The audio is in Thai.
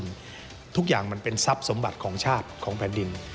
สวัสดีค่ะ